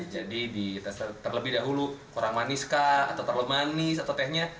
jadi terlebih dahulu kurang manis kak atau terlalu manis atau tehnya